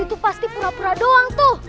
itu pasti pura pura doang tuh